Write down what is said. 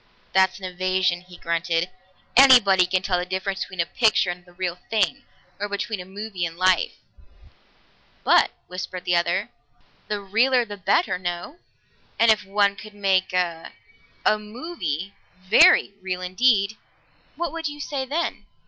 "That's an evasion," he grunted. "Anybody can tell the difference between a picture and the real thing, or between a movie and life." "But," whispered the other, "the realer the better, no? And if one could make a a movie very real indeed, what would you say then?"